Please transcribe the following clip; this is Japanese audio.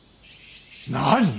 何。